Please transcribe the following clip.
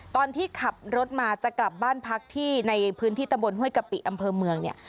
ตอนที่ขับรถมาจะกลับบ้านพักที่ในพื้นที่ตะบนห้วยกะปิอำเภอเมืองเนี่ย